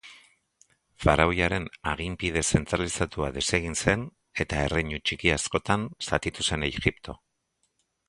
Faraoiaren aginpide zentralizatua desegin zen eta erreinu txiki askotan zatitu zen Egipto